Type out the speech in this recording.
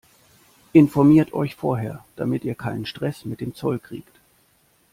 Informiert euch vorher, damit ihr keinen Stress mit dem Zoll kriegt!